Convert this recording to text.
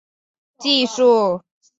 核心内涵应用技术